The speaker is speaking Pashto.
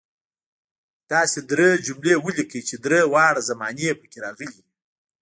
داسې درې جملې ولیکئ چې درې واړه زمانې پکې راغلي وي.